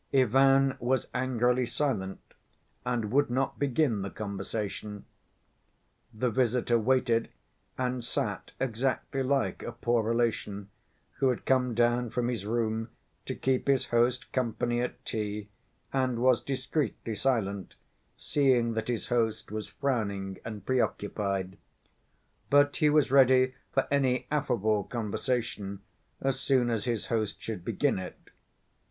Ivan was angrily silent and would not begin the conversation. The visitor waited and sat exactly like a poor relation who had come down from his room to keep his host company at tea, and was discreetly silent, seeing that his host was frowning and preoccupied. But he was ready for any affable conversation as soon as his host should begin it.